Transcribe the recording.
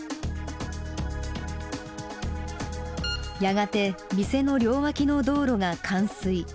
やがて店の両脇の道路が冠水。